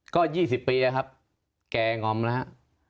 ก็๒๐ปีครับแกน่อมแล้ว